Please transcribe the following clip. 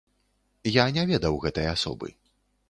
Я не ведаў гэтай асобы.